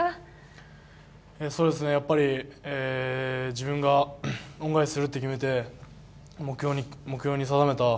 自分が恩返しするって決めて目標に定めた